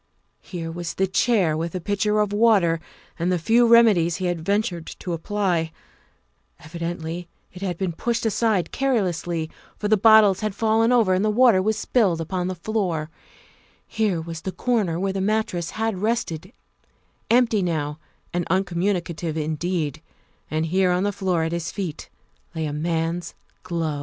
Here was the chair with the pitcher of water and the few remedies he had ventured to apply; evidently it had been pushed aside carelessly, for the bottles had fallen over and the water was spilled upon the floor; here was the corner where the mattress had rested empty now and uncommunicative indeed; and here on the floor at his feet lay a man 's glove.